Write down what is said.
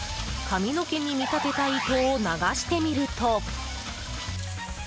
髪の毛に見立てた糸を流してみると。